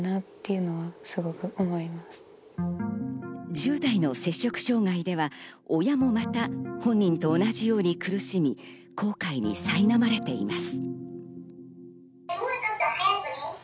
１０代の摂食障害では親もまた本人と同じように苦しみ後悔にさいなまれています。